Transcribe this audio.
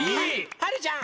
はるちゃん。